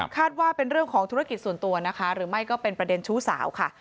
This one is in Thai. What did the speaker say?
ว่าเป็นเรื่องของธุรกิจส่วนตัวนะคะหรือไม่ก็เป็นประเด็นชู้สาวค่ะ